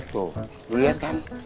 tuh lu lihat kan